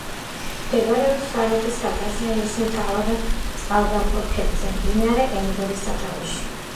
მდებარეობს სვანეთის კავკასიონის მთავარ წყალგამყოფ ქედზე, მდინარე ენგურის სათავეში.